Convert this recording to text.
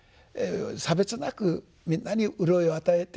差別なくみんなに潤いを与えていきますよと。